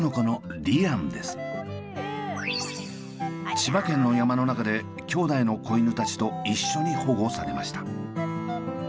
千葉県の山の中で兄弟の子犬たちと一緒に保護されました。